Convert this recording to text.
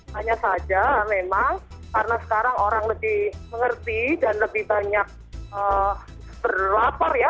hanya saja memang karena sekarang orang lebih mengerti dan lebih banyak berlapar ya